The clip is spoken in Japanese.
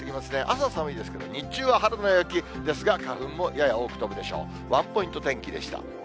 朝寒いですけど、日中は春の陽気ですが、花粉もやや多く飛ぶでしょう。